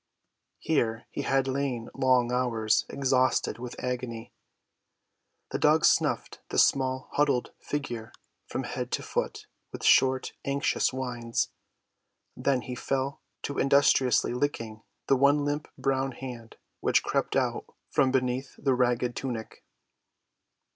Here he had lain long hours, exhausted with agony. The dog snuffed the small huddled figure from head to foot with short, anxious whines. Then he fell to industriously licking the one limp brown hand which crept out from beneath the ragged tunic.